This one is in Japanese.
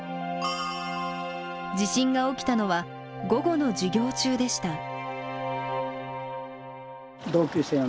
地震が起きたのは午後の授業中でした。